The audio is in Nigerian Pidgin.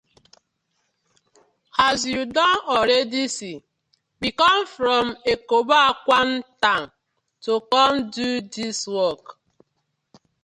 As yu don already see, we com from Ekoboakwan town to com to do dis work.